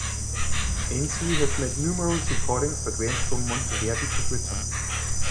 Ainsley has made numerous recordings that range from Monteverdi to Britten.